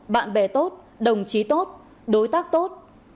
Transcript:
bạn bè tốt đồng chí tốt đối tác tốt